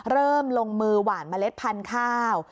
ลงมือหวานเมล็ดพันธุ์ข้าว